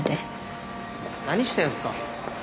何してんすか？